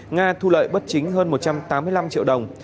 nga thu lợi bất chính hơn một trăm tám mươi năm triệu đồng